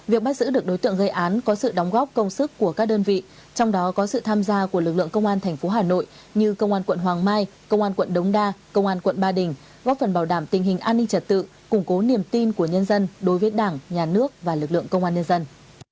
việc bắt giữ được đối tượng gây án có sự đóng góp công sức của các đơn vị trong đó có sự tham gia của lực lượng công an tp hà nội như công an quận hoàng mai công an quận đống đa công an quận ba đình góp phần bảo đảm tình hình an ninh trật tự củng cố niềm tin của nhân dân đối với đảng nhà nước và lực lượng công an nhân dân